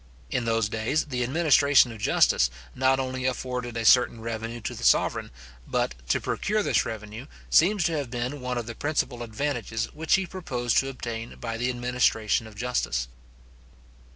In those days, the administration of justice not only afforded a certain revenue to the sovereign, but, to procure this revenue, seems to have been one of the principal advantages which he proposed to obtain by the administration of justice.